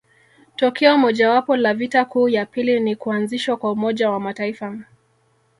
Tokeo mojawapo la vita kuu ya pili ni kuanzishwa kwa Umoja wa mataifa